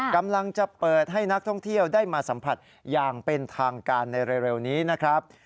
กำลังจะเปิดให้นักท่องเที่ยวได้มาสัมผัสอย่างเป็นทางการในเร็วนี้นะครับ